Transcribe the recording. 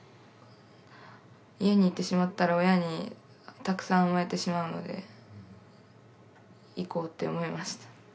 家にいてしまったら親にたくさん甘えてしまうので行こうって思いました。